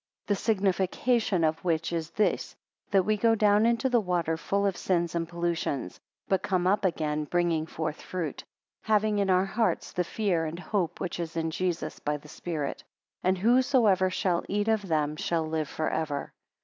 The signification of which is this that we go down into the water full of sins and pollutions, but come up again, bringing forth fruit; having in our hearts the fear and hope which is in Jesus, by the spirit. And whosoever shall eat of them shall live for ever.